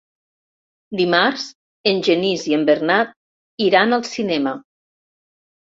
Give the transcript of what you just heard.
Dimarts en Genís i en Bernat iran al cinema.